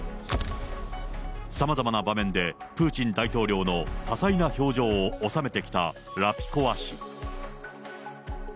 さまざまな場面でプーチン大統領の多彩な表情を収めてきたラピコワ氏。